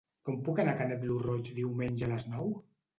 Com puc anar a Canet lo Roig diumenge a les nou?